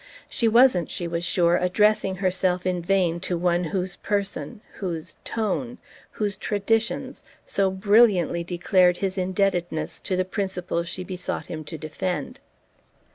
She wasn't, she was sure, addressing herself in vain to one whose person, whose "tone," whose traditions so brilliantly declared his indebtedness to the principles she besought him to defend.